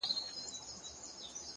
قوي اراده ستړې لارې اسانه کوي,